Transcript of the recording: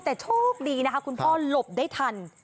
แต่โชคดีนะคะคุณพ่อหลบได้ทัน